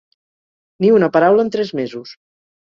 Ni una paraula en tres mesos.